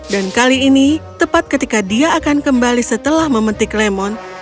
dan kali ini tepat ketika dia akan kembali setelah memetik lemon